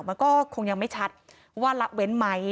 มันก็คงยังไม่ชัดว่าละเว้นไหม